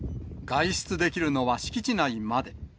外出できるのは敷地内まで。